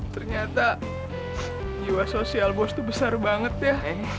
ternyata jiwa sosial bos itu besar banget ya